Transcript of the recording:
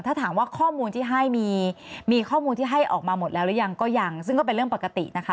ถ้าถามว่าข้อมูลที่ให้มีข้อมูลที่ให้ออกมาหมดแล้วหรือยังก็ยังซึ่งก็เป็นเรื่องปกตินะคะ